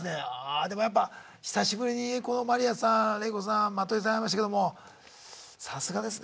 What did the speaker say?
でもやっぱ久しぶりにこのマリアさんレイコさんマトイさん会いましたけどもさすがですね。